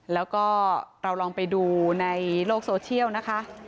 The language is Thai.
แล้วก็เราลองไปดูในโลกโซเชียลนะคะ